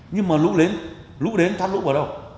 nhưng mà lũ đến lũ đến thoát lũ vào đâu